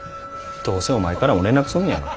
どうせお前からも連絡すんねやろ。